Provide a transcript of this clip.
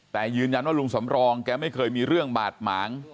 แต่ยืนยันว่าลุงสำรองแกไม่เคยมีเรื่องบาดหมาง